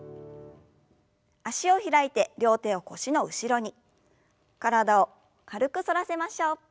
脚を開いて両手を腰の後ろに体を軽く反らせましょう。